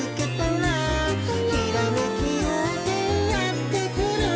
「ひらめきようせいやってくる」